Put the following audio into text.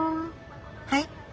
はい？